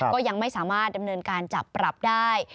ก็ยังไม่สามารถดำเนินการจับปรับได้